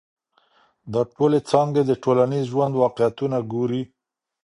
دا ټولي څانګي د ټولنیز ژوند واقعیتونه ګوري.